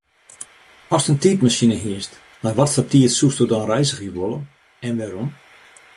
Ast in tiidmasine hiest, nei watfoar tiid soest dan dan reizgje wol en wêrom?